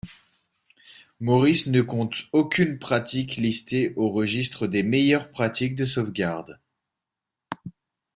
Maurice ne compte aucune pratique listée au registre des meilleures pratiques de sauvegarde.